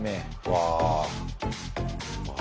わあ